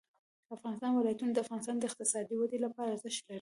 د افغانستان ولايتونه د افغانستان د اقتصادي ودې لپاره ارزښت لري.